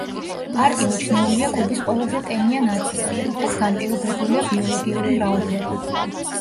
პარკი მიჩნეულია კუბის ყველაზე ტენიან ადგილად, რითაც განპირობებულია ბიოლოგიური მრავალფეროვნება.